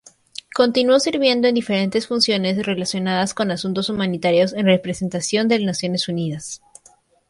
Continuó sirviendo en diferentes funciones relacionadas con asuntos humanitarios en representación de Naciones Unidas.